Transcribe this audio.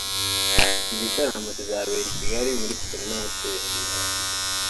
Iki gitaramo kizabera i Kigali muri Serena Hotel